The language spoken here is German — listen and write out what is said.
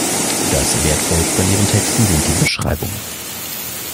Das Wertvollste an ihren Texten sind die Beschreibungen.